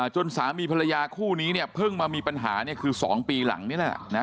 จนสามีภรรยาคู่นี้เนี่ยเพิ่งมามีปัญหาคือ๒ปีหลังนี่แหละ